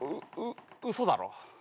う嘘だろ。